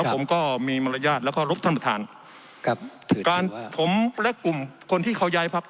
แล้วผมก็มีมารยาทแล้วก็รบท่านประธานครับถือว่าการผมและกลุ่มคนที่เขายายภัพธ์